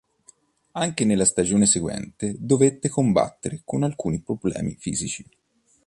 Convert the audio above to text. Anche nella stagione seguente, dovette combattere con alcuni problemi fisici.